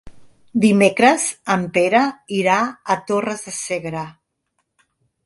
Dimecres en Pere irà a Torres de Segre.